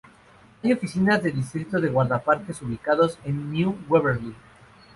Hay oficinas de distrito de guardaparques ubicados en New Waverly.